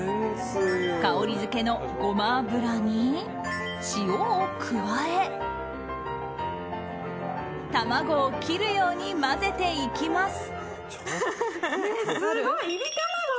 香りづけのゴマ油に塩を加え卵を切るように混ぜていきます。